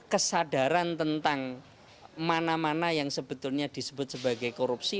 kesadaran tentang mana mana yang sebetulnya disebut sebagai korupsi